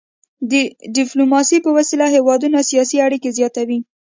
د ډيپلوماسي په وسيله هیوادونه سیاسي اړيکي زیاتوي.